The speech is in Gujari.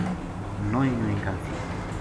نوئی نوئی گل سکھی